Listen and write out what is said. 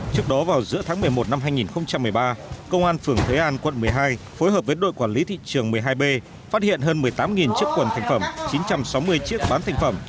trước đó vào giữa tháng một mươi một năm hai nghìn một mươi ba công an phường thới an quận một mươi hai phối hợp với đội quản lý thị trường một mươi hai b phát hiện hơn một mươi tám chiếc quần thành phẩm chín trăm sáu mươi chiếc bán thành phẩm